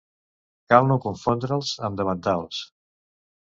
Cal no confondre'ls amb davantals.